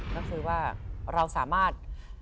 ก็คือว่าเราสามารถ